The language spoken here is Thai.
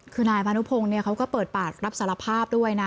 คือนายพานุพงศ์เขาก็เปิดปากรับสารภาพด้วยนะ